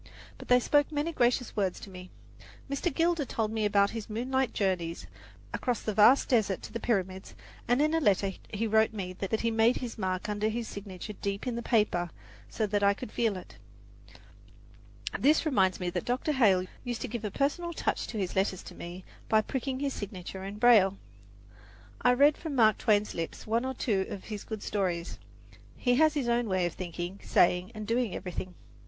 But they spoke many gracious words to me. Mr. Gilder told me about his moonlight journeys across the vast desert to the Pyramids, and in a letter he wrote me he made his mark under his signature deep in the paper so that I could feel it. This reminds me that Dr. Hale used to give a personal touch to his letters to me by pricking his signature in braille. I read from Mark Twain's lips one or two of his good stories. He has his own way of thinking, saying and doing everything.